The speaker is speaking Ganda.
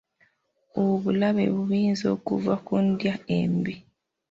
Obulabe obuyinza okuva ku ndya embi.